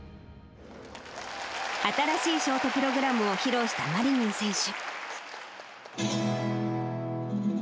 新しいショートプログラムを披露したマリニン選手。